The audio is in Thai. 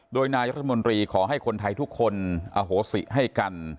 โดยนายรัฐมนตรีขอให้คนไทยทุกคนอโหสิให้กัน